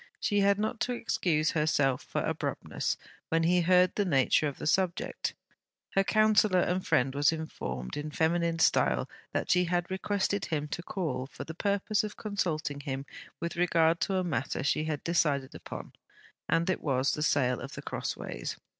She had not to excuse herself for abruptness when he heard the nature of the subject. Her counsellor and friend was informed, in feminine style, that she had, requested him to call, for the purpose of consulting him with regard to a matter she had decided upon; and it was, the sale of The Crossways.